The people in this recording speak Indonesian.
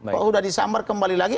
kalau sudah disambar kembali lagi